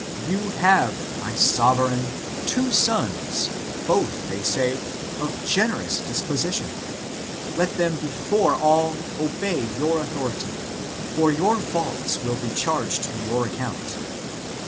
You have, my sovereign, two sons, both, they say, of generous disposition. Let them before all obey your authority, for their faults will be charged to your account.